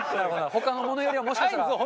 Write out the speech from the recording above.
他のものよりはもしかしたら。